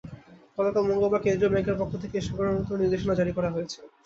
গতকাল মঙ্গলবার কেন্দ্রীয় ব্যাংকের পক্ষ থেকে এ-সংক্রান্ত নির্দেশনা জারি করা হয়েছে।